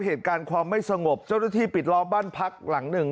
เหตุการณ์ความไม่สงบเจ้าหน้าที่ปิดล้อมบ้านพักหลังหนึ่ง